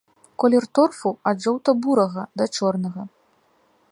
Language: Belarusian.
Колер торфу ад жоўта-бурага да чорнага.